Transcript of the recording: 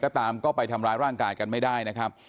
ก็ตามก็ไปทำร้ายร่างกายกันไม่ได้นะครับ